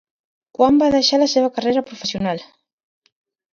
Quan va deixar la seva carrera professional?